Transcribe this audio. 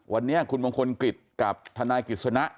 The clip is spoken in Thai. วันนี้คุณมงคลกฤษกับทนายกฤษณะ